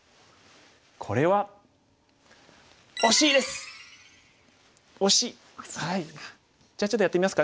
これはおしいですか。